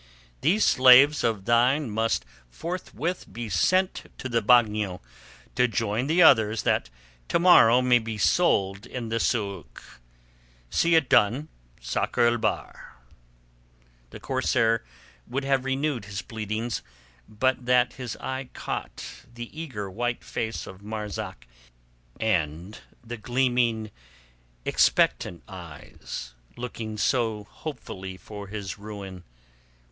These slaves of thine must forthwith be sent to the bagnio to join the others that tomorrow all may be sold in the sôk. See it done, Sakr el Bahr." The corsair would have renewed his pleadings, but that his eye caught the eager white face of Marzak and the gleaming expectant eyes, looking so hopefully for his ruin.